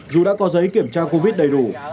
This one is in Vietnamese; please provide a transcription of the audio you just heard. dù đã có giấy kiểm tra covid đầy đủ